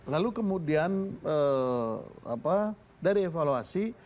lalu kemudian dari evaluasi